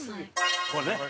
これね。